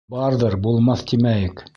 Барҙыр, булмаҫ, тимәйек.